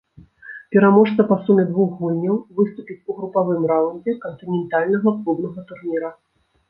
Пераможца па суме двух гульняў выступіць у групавым раўндзе кантынентальнага клубнага турніра.